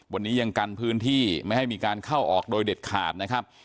วันนี้ยังกันพื้นที่ไม่ให้มีการเข้าออกโดยเด็ดขาดนะครับ